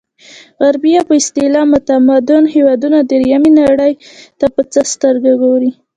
غربي یا په اصطلاح متمدن هېوادونه درېیمې نړۍ ته په څه سترګه ګوري.